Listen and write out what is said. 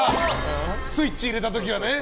スイッチ入れた時はね。